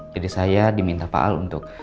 jadi saya diminta pak al untuk